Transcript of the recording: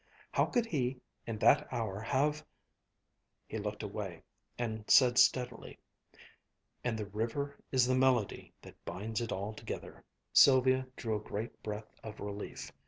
How could he in that hour have ... He looked away and said steadily, " and the river is the melody that binds it all together." Sylvia drew a great breath of relief.